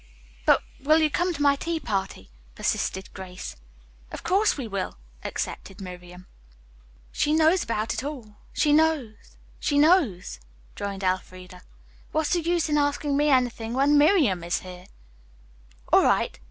"But will you come to my tea party?" persisted Grace. "Of course we will," accepted Miriam. "She knows about it all, she knows, she knows," droned Elfreda. "What's the use in asking me anything when Miriam is here?" "All right."